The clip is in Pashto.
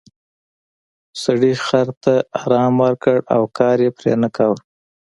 سړي خر ته ارام ورکړ او کار یې پرې نه کاوه.